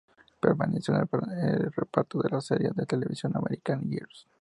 Perteneció al reparto de la serie de televisión americana "Girls".